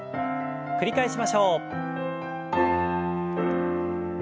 繰り返しましょう。